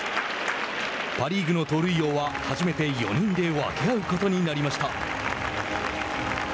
パ・リーグの盗塁王は初めて４人で分け合うことになりました。